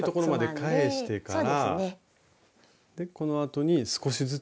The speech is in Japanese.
でこのあとに少しずつ。